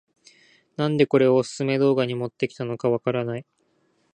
なんでこれをオススメ動画に持ってきたのかわからない